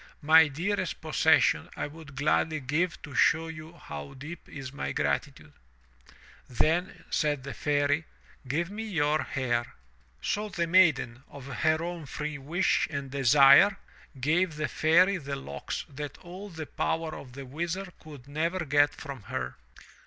My dearest possession I would gladly give to show you how deep is my gratitude." 'Then," said the Fairy, "give me your hair." So the Maiden, of her own free wish and desire, gave the Fairy the locks that all the power of the Wizard could never get from her.